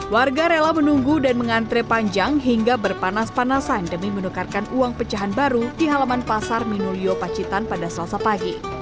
warga rela menunggu dan mengantre panjang hingga berpanas panasan demi menukarkan uang pecahan baru di halaman pasar minulio pacitan pada selasa pagi